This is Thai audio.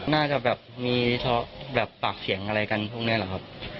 น่าจะแบบมีริท้าแบบปากเสียงอะไรกันพรุ่งนี้หรือครับ